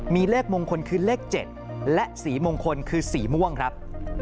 มีเลขมงคลคือเลข๗และสีมงคลคือสีม่วงครับ